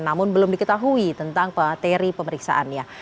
namun belum diketahui tentang materi pemeriksaannya